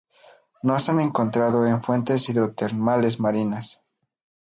No se han encontrado en fuentes hidrotermales marinas.